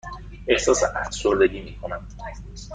احساس افسردگی می کنم.